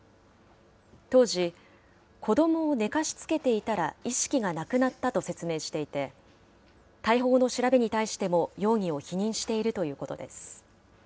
当時、子どもを寝かしつけていたら意識がなくなったと説明していて、逮捕後の調べに対しても容疑を否認しているということです。